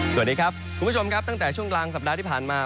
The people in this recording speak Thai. สวัสดีครับคุณผู้ชมครับตั้งแต่ช่วงกลางสัปดาห์ที่ผ่านมา